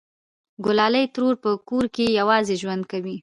گلالۍ ترور په کور کې یوازې ژوند کوي